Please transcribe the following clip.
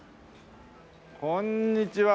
こんにちは。